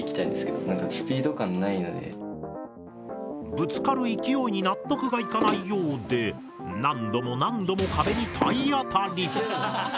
ぶつかる勢いに納得がいかないようで何度も何度も壁に体当たり。